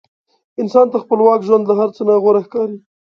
انسان ته خپلواک ژوند له هر څه نه غوره ښکاري.